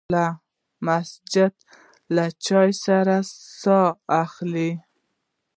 پیاله د مسجدو له چای سره ساه اخلي.